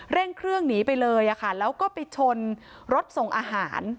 เร่งเครื่องหนีไปเลยแล้วก็ไปชนรถส่งอาหาร